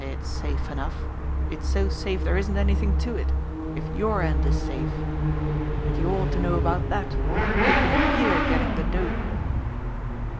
It's safe enough ! It's so safe there isn't anything to it, THE GRAY SEAL 25 if your end is safe. And you ought to know about that you've been a year getting the dope."